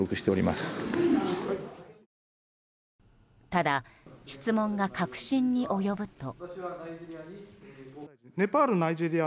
ただ、質問が核心に及ぶと。